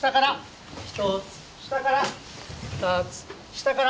下から。